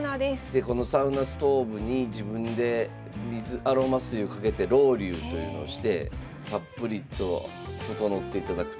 でこのサウナストーブに自分でアロマ水をかけてロウリュというのをしてたっぷりと整っていただくと。